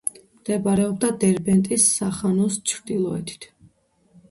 მდებარეობდა დერბენტის სახანოს ჩრდილოეთით.